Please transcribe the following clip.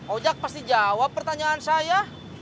ojek pasti jawab pertanyaan sana